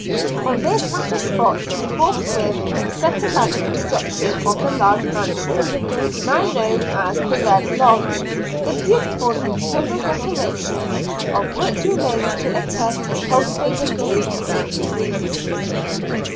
On this latter spot he forthwith set about the construction of the large mansion now known as the Red Lodge, the beautiful internal decoration of which remains to attest his cultivated taste and ample means.